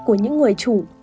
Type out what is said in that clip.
của những người chủ